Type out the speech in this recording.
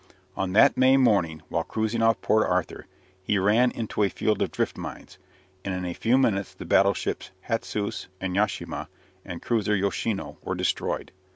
On that May morning, while cruising off Port Arthur, he ran into a field of drift mines, and in a few minutes the battleships "Hatsuse" and "Yashima," and the cruiser "Yoshino," were destroyed.